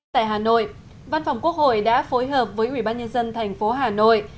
tại hà nội văn phòng quốc hội đã phối hợp với ủy ban nhân dân thành phố hà nội